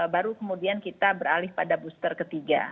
baru kemudian kita beralih pada booster ketiga